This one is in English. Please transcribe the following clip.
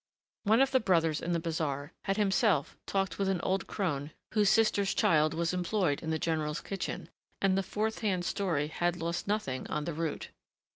One of the brothers in the bazaar had himself talked with an old crone whose sister's child was employed in the general's kitchen, and the fourth hand story had lost nothing on the route.